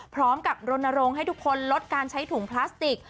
พร้อมกับรณรงค์ให้ทุกคนลดการใช้ถุงพลาสติก